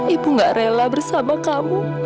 ibu gak rela bersama kamu